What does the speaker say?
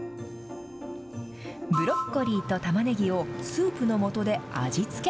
ブロッコリーと玉ねぎをスープのもとで味付け。